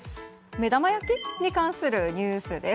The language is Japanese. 目玉焼きに関するニュースです。